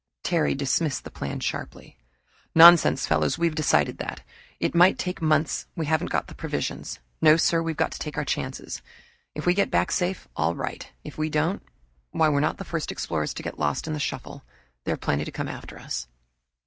Terry dismissed the plan sharply. "Nonsense, fellows! We've decided that. It might take months we haven't got the provisions. No, sir we've got to take our chances. If we get back safe all right. If we don't, why, we're not the first explorers to get lost in the shuffle. There are plenty to come after us."